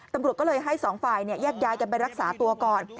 ตำรวจก็เลยให้สองฝ่ายแยกย้ายกันไปรักษาตัวก่อน